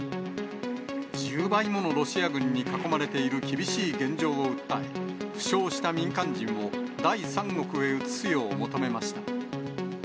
１０倍ものロシア軍に囲まれている厳しい現状を訴え、負傷した民間人を第三国へ移すよう求めました。